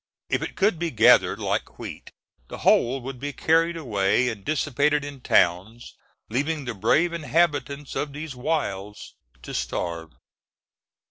If it could be gathered like wheat the whole would be carried away and dissipated in towns, leaving the brave inhabitants of these wilds to starve.